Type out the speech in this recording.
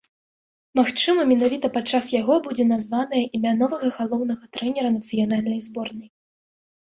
Магчыма, менавіта падчас яго будзе названае імя новага галоўнага трэнера нацыянальнай зборнай.